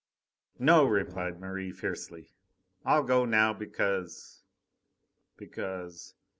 "No!" replied Merri fiercely. "I'll go now because ... because